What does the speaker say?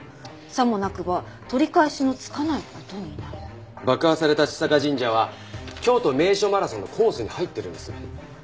「さもなくばとりかえしのつかないことになる」爆破された千坂神社は京都名所マラソンのコースに入ってるんです。